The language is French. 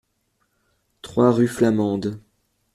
trois rue Flamande